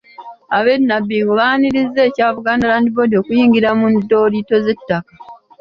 Ab’e Nabbingo baanirizza ekya Buganda Land Board okuyingira mu ndooliito z'ettaka.